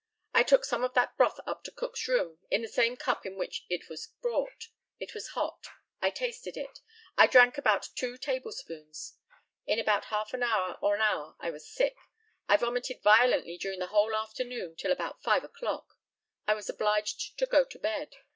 I took some of that broth up to Cook's room in the same cup in which it was brought. It was hot. I tasted it. I drank about two tablespoonfuls. In about half an hour or an hour I was sick. I vomited violently during the whole afternoon till about 5 o'clock. I was obliged to go to bed.